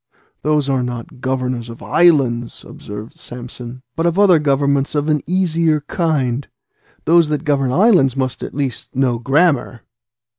"Those are not governors of islands," observed Samson, "but of other governments of an easier kind: those that govern islands must at least know grammar."